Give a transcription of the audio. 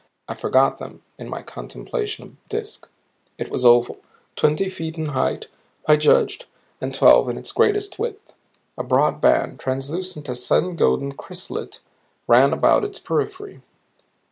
I forgot them in my contemplation of the Disk. It was oval, twenty feet in height, I judged, and twelve in its greatest width. A broad band, translucent as sun golden chrysolite, ran about its periphery.